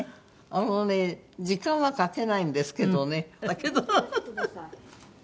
あのね時間はかけないんですけどねだけど。